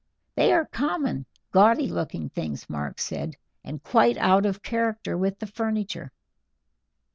"They are common, gaudy looking things," Mark said, "and quite out of character with the furniture."